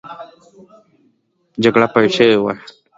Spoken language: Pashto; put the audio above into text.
جالبه خو لا داده چې دلته هره جګړه پېښه شوې.